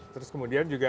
terus kemudian juga